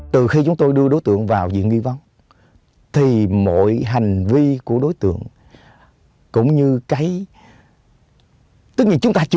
từ nay thành phố hồ chí minh